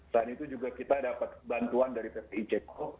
selain itu juga kita dapat bantuan dari ppi ceko